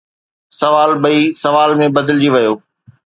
سوال ٻئي سوال ۾ بدلجي ويو